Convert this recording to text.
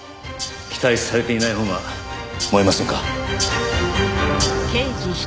期待されていないほうが燃えませんか？